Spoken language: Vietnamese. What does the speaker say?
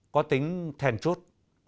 có tính thèn chốt